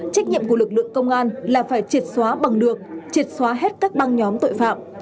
trách nhiệm của lực lượng công an là phải triệt xóa bằng được triệt xóa hết các băng nhóm tội phạm